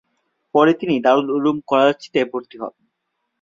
পরে তিনি দারুল উলুম করাচীতে ভর্তি হন।